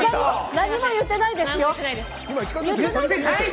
何も言ってないです。